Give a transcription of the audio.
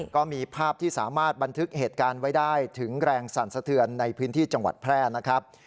ก็มีภาพที่สามารถบันทึกเหตุการณ์ไว้ได้ถึงแรงสั่นสะเทือนในพื้นที่จังหวัดแพร่นะครับ